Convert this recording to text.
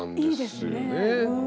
いいですね。